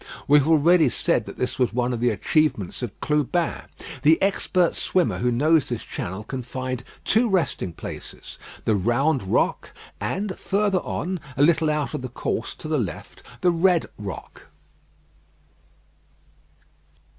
We have already said that this was one of the achievements of Clubin. The expert swimmer who knows this channel can find two resting places, the Round Rock, and further on, a little out of the course, to the left, the Red Rock.